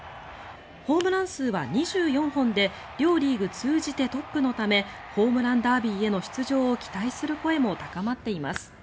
ホームラン数は２４本で両リーグ通じてトップのためホームランダービーへの出場を期待する声も高まっています。